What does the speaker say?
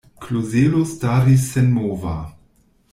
Klozelo staris senmova.